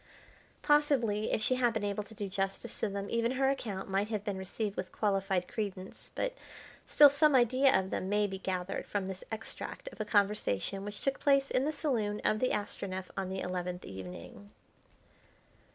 Possibly if she had been able to do justice to them, even her account might have been received with qualified credence; but still some idea of them may be gathered from this extract of a conversation which took place in the saloon of the Astronef on the eleventh evening.